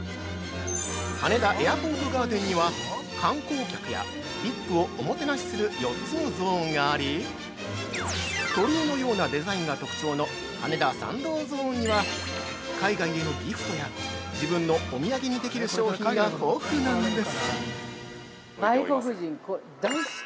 ◆羽田エアポートガーデンには、観光客やＶＩＰをおもてなしする４つのゾーンがあり、鳥居のようなデザインが特徴の羽田参道ゾーンには、海外へのギフトや自分のお土産にできる商品が豊富なんです。